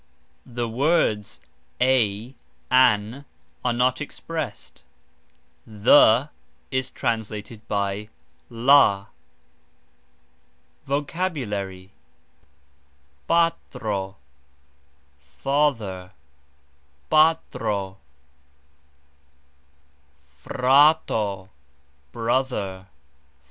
The words "a," "an," are not expressed; "the" is translated by "la". VOCABULARY. pAtro : father. cxAmbro : room. frAto : brother.